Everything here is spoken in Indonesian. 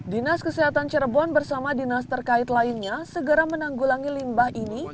dinas kesehatan cirebon bersama dinas terkait lainnya segera menanggulangi limbah ini